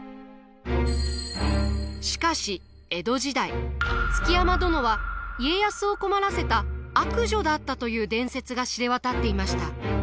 しかし江戸時代築山殿は家康を困らせた悪女だったという伝説が知れ渡っていました。